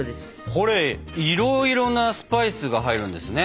これいろいろなスパイスが入るんですね。